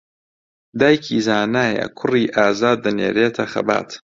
دایکی زانایە کوڕی ئازا دەنێرێتە خەبات